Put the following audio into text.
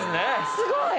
すごい！